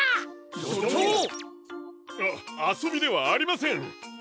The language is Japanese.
しょちょう！ああそびではありません。